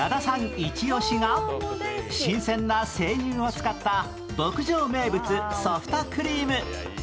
イチオシが、新鮮な生乳を使った牧場名物・ソフトクリーム。